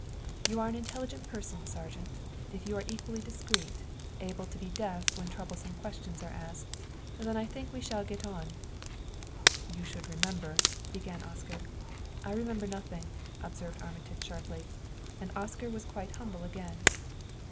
"You are an intelligent person, Sergeant. If you are equally discreet able to be deaf when troublesome questions are asked, then I think we shall get on." "You should remember " began Oscar. "I remember nothing," observed Armitage sharply; and Oscar was quite humble again.